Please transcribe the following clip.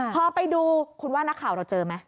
พอไปดูคุณว่านักข่าวเราเจอไหม